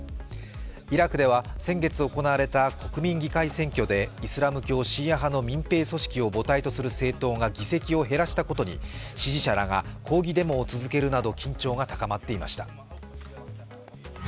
イラクでは、先月行われた国民議会選挙でイスラム教シーア派の民兵組織を母体とする政党が議席を減らしたことに支持者らが抗議デモを続けるなど緊張が高まっていました。